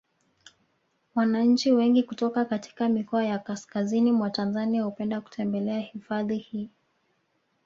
Wananchi wengi kutoka katika mikoa ya kaskazini mwa Tanzania hupenda kutembelea hifadhi hii